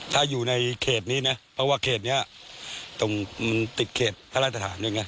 ถ้าอยู่ในเขตนี้นะเพราะว่าเขตนี้ตรงมันติดเขตพระราชฐานด้วยไง